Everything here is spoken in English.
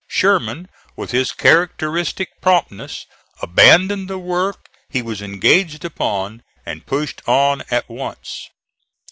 Sherman, with his characteristic promptness, abandoned the work he was engaged upon and pushed on at once.